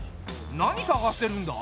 何探してるんだ？